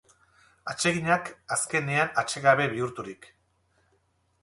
Atseginak azkenean atsekabe bihurturik.